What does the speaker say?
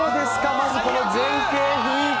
まずこの全景、雰囲気。